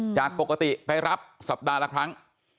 จากปกติไปรับสัปดาห์ละครั้ง